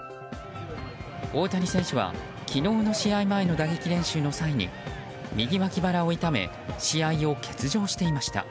大谷選手は昨日の試合前の打撃練習の際に右脇腹を痛め試合を欠場していました。